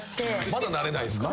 まだ慣れないんすか？